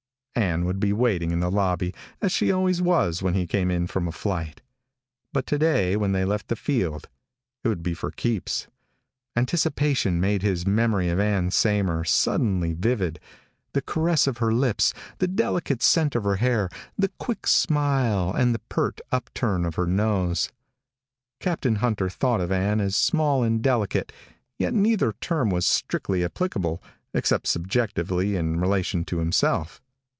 Ann would be waiting in the lobby, as she always was when he came in from a flight. But today when they left the field, it would be for keeps. Anticipation made his memory of Ann Saymer suddenly vivid the caress of her lips, the delicate scent of her hair, her quick smile and the pert upturn of her nose. Captain Hunter thought of Ann as small and delicate, yet neither term was strictly applicable except subjectively in relation to himself.